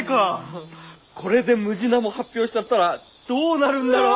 これでムジナモ発表しちゃったらどうなるんだろう？